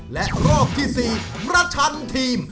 และรอบที่๔ประชันทีม